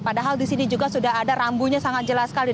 padahal di sini juga sudah ada rambunya sangat jelas sekali